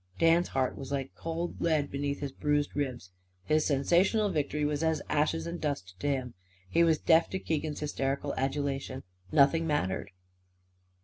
Dan's heart was like cold lead beneath his bruised ribs. His sensational victory was as ashes and dust to him. He was deaf to Keegan's hysterical adulation. Nothing mattered.